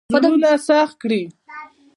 زړونه سخت کړي.